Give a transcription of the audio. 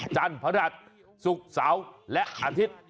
จันทร์พระหัสศุกร์เสาร์และอาทิตย์